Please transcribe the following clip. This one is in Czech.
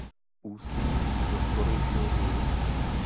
Ústí do Korejského průlivu.